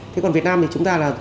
thế còn việt nam thì chúng ta là